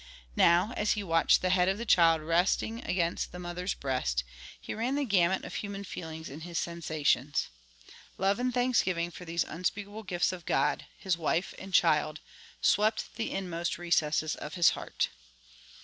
Now, as he watched the head of the child resting against the mother's breast, he ran the gamut of human feelings in his sensations. Love and thanksgiving for these unspeakable gifts of God–his wife and child–swept the inmost recesses of his heart.